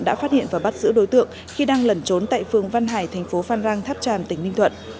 đã phát hiện và bắt giữ đối tượng khi đang lẩn trốn tại phường văn hải thành phố phan rang tháp tràm tỉnh ninh thuận